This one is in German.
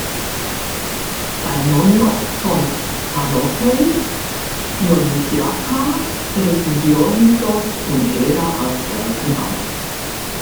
Bei Nonnos von Panopolis "Dionysiaka" treten Dionysos und Hera als Eltern auf.